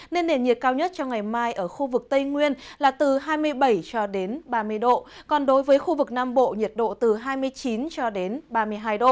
nên nền nhiệt cao nhất cho ngày mai ở khu vực tây nguyên là từ hai mươi bảy cho đến ba mươi độ còn đối với khu vực nam bộ nhiệt độ từ hai mươi chín cho đến ba mươi hai độ